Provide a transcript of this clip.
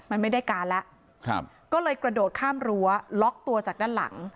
มันไม่ได้การแล้วก็เลยกระโดดข้ามรั้วล็อกตัวจากด้านหลัง